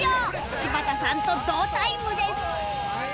柴田さんと同タイムです